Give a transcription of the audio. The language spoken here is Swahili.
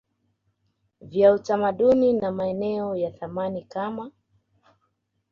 vya utamaduni na maeneo ya thamani kama